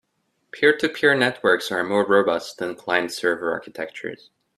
Peer-to-peer networks are more robust than client-server architectures.